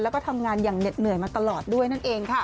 แล้วก็ทำงานอย่างเหน็ดเหนื่อยมาตลอดด้วยนั่นเองค่ะ